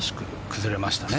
崩れましたね。